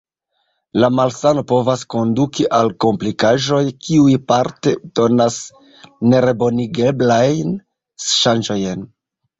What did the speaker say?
La malsano povas konduki al komplikaĵoj, kiuj parte donas nerebonigeblajn ŝanĝojn.